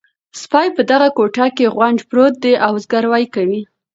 سپي په دغه کوټه کې غونج پروت دی او زګیروی کوي.